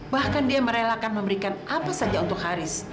bahkan dia merelakan memberikan apa saja untuk haris